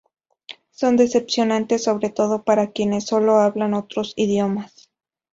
Son decepcionantes, sobre todo para quienes sólo hablan otros idiomas.